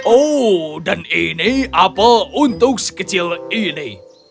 oh dan ini apel untuk sekecil ini